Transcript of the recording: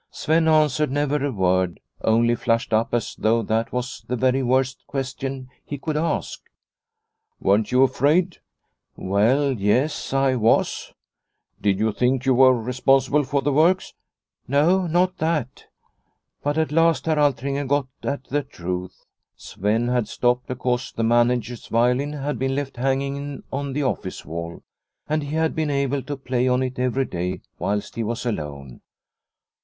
Sven answered never a word, only flushed up as though that was the very worst question he could ask. " Weren't you afraid ?'" Well, yes, I was." " Did you think you were re sponsible for the works ?"" No, not that/' But at last Herr Altringer got at the truth. Sven had stopped because the manager's violin had been left hanging on the office wall, and he had been able to play on it every day whilst he was alone.